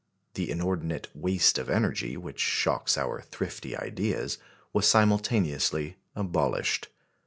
The inordinate "waste" of energy, which shocks our thrifty ideas, was simultaneously abolished.